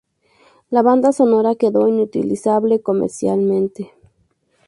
La banda sonora quedó inutilizable comercialmente.